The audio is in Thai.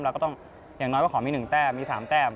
เราก็ต้องอย่างน้อยว่าขอมีหนึ่งแต้มมีสามแต้ม